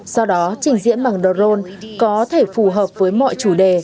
do đó trình diễn bằng drone có thể phù hợp với mọi chủ đề